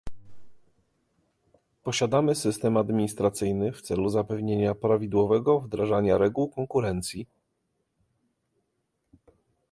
Posiadamy system administracyjny w celu zapewnienia prawidłowego wdrażania reguł konkurencji